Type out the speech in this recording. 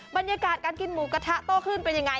บรรยากาศการกินหมูกระทะโต้ขึ้นเป็นยังไง